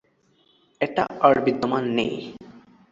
এটা আর বিদ্যমান নেই।